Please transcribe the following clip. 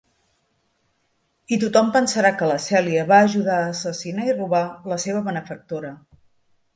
I tothom pensarà que la Celia va ajudar a assassinar i robar la seva benefactora.